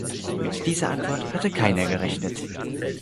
Mit dieser Antwort hatte keiner gerechnet.